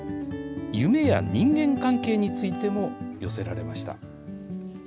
夢や人間関係についても寄せられました。